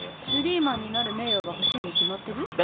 シュリーマンになる名誉が欲しいに決まってる？